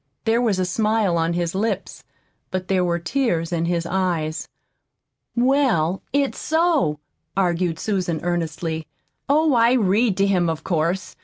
There was a smile on his lips, but there were tears in his eyes. "Well, it's so," argued Susan earnestly. "Oh, I read to him, of course.